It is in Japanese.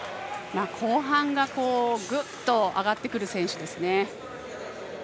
後半がグッと上がってくる選手ですね。